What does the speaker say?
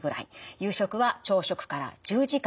夕食は朝食から１０時間。